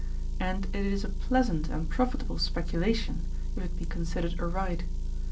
And it is a pleasant and profitable speculation, if it be considered aright.